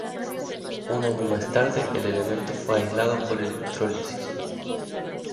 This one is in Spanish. Un año más tarde, el elemento fue aislado por electrólisis.